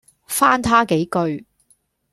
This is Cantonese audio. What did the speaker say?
翻他幾句，